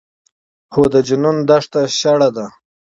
خو د جنون دښته شړه ده